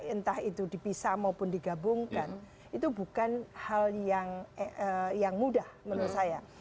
entah itu dipisah maupun digabungkan itu bukan hal yang mudah menurut saya